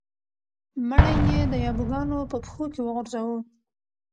مړی یې د یابو ګانو په پښو کې وغورځاوه.